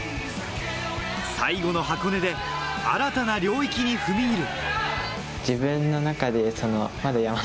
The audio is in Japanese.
最後の箱根で、新たな領域に踏み入れる。